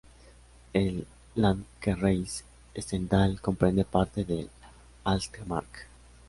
El Landkreis Stendal comprende parte del Altmark.